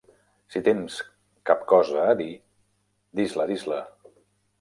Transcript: Si tens cap cosa a dir, dis-la, dis-la.